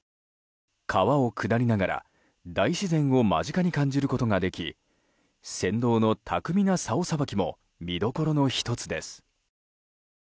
川を下りながら大自然を間近に感じることができ船頭の巧みな、さおさばきも見どころの１つです。